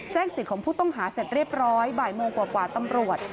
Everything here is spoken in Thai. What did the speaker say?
สิทธิ์ของผู้ต้องหาเสร็จเรียบร้อยบ่ายโมงกว่าตำรวจ